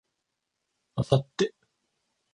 明後日